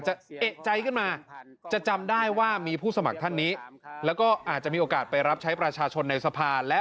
เอกใจขึ้นมาจะจำได้ว่ามีผู้สมัครท่านนี้แล้วก็อาจจะมีโอกาสไปรับใช้ประชาชนในสภาและ